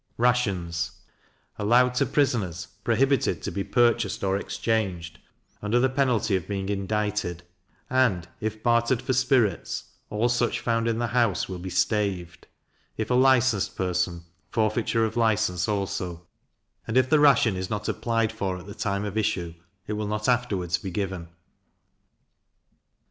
Rations allowed to prisoners, prohibited to be purchased or exchanged, under the penalty of being indicted; and, if bartered for spirits, all such found in the house will be staved; if a licensed person, forfeiture of license also: And if the ration is not applied for at the time of issue, it will not afterwards be given.